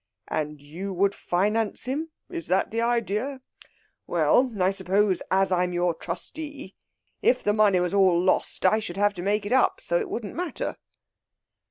"And you would finance him? Is that the idea? Well, I suppose as I'm your trustee, if the money was all lost, I should have to make it up, so it wouldn't matter."